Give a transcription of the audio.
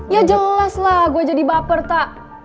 ya jelas lah gue jadi baper tak